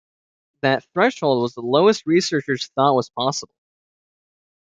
That threshold was the lowest researchers thought was possible.